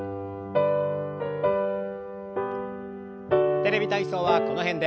「テレビ体操」はこの辺で。